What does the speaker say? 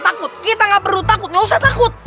kita nggak buat takut kita nggak perlu takut nggak usah takut